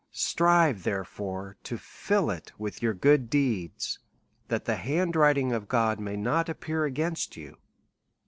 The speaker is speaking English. Strive, therefore, to fill it with your good deeds that the hand writing of God may not appear against you.